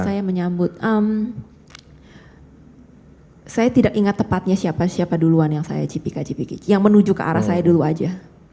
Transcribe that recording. saya menyambut saya tidak ingat tepatnya siapa siapa duluan yang saya cipika cipiki yang menuju ke arah saya dulu aja